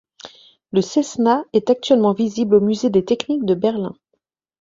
Le Cessna est actuellement visible au musée des Techniques de Berlin.